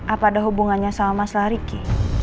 apa ada hubungannya sama masalah ricky